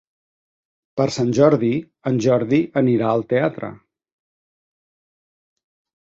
Per Sant Jordi en Jordi anirà al teatre.